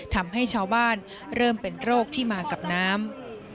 ทำให้ชาวบ้านเริ่มเป็นโรคที่มากับน้ำ